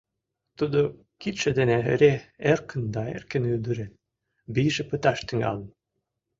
Тудо кидше дене эре эркын да эркын удырен; вийже пыташ тӱҥалын.